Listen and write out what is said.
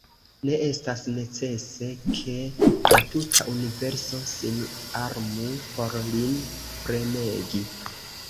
Ne estas necese, ke la tuta universo sin armu, por lin premegi.